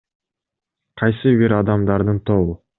Кайсы бир адамдардын тобу.